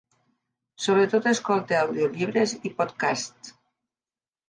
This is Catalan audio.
Sobretot escolta àudiollibres i podcasts